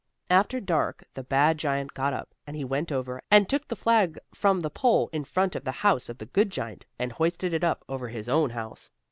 After dark the bad giant got up, and he went over, and took the flag from the pole in front of the house of the good giant, and hoisted it up over his own house.